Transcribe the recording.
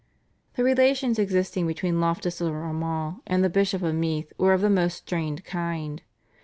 The relations existing between Loftus of Armagh and the Bishop of Meath were of the most strained kind.